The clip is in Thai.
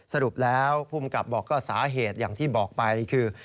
สรุปแล้วภูมิกับบอกก็สาเหตุอย่างที่บอกไปคือ